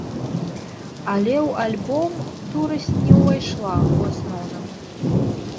Але ў альбом дурасць не ўвайшла ў асноўным.